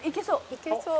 「いけそう！